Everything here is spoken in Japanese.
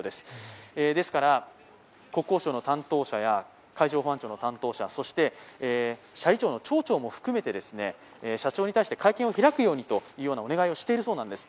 ですから国交省の担当者、海上保安庁の担当者、そして、斜里町の町長も含めて社長に対して会見を開くようにとお願いをしているそうなんです。